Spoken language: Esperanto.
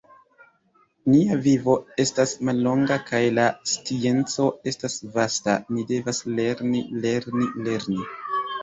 Nia vivo estas mallonga kaj la scienco estas vasta; ni devas lerni, lerni, lerni!